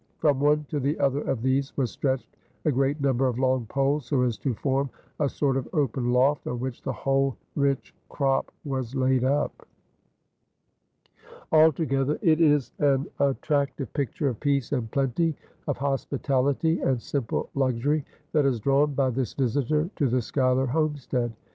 From one to the other of these was stretched a great number of long poles so as to form a sort of open loft, on which the whole rich crop was laid up." Altogether it is an attractive picture of peace and plenty, of hospitality and simple luxury, that is drawn by this visitor to the Schuyler homestead.